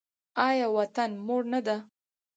آیا وطن مور نه ده؟